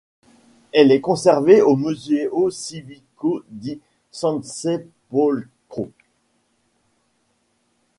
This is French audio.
Elle est conservée au Museo Civico di Sansepolcro.